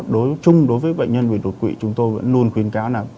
đối với bệnh nhân bị đột quỵ chúng tôi luôn khuyến cáo